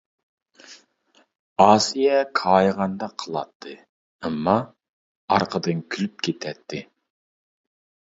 ئاسىيە كايىغاندەك قىلاتتى ئەمما ئارقىدىن كۈلۈپ كېتەتتى.